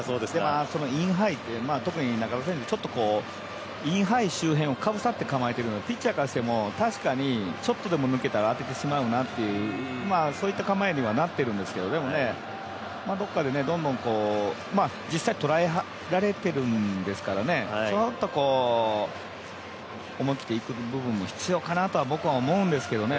インハイっていう、中田選手インハイ周辺をかぶさって構えるような、ピッチャーからしても確かにちょっとでも抜けたらあけてしまうなという構えになっているんですけどね、でも、どこかでどんどん、実際捉えられてるんでちょっと、思い切っていく部分も必要かなと僕は思うんですけどね。